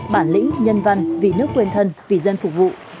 bản lĩnh nhân văn vì nước quên thân vì dân phục vụ